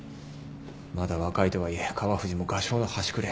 まだ若いとはいえ川藤も画商の端くれ。